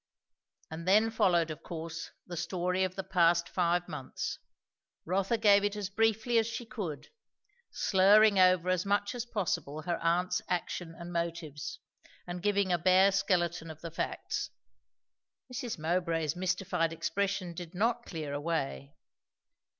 And then followed of course the story of the past five months. Rotha gave it as briefly as she could, slurring over as much as possible her aunt's action and motives, and giving a bare skeleton of the facts. Mrs. Mowbray's mystified expression did not clear away.